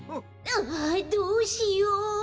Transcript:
ああっどうしよう。